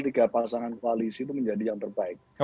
tiga pasangan koalisi itu menjadi yang terbaik